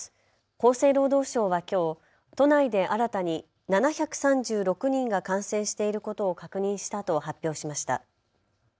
厚生労働省はきょう都内で新たに７３６人が感染していることを確認したと発表しました。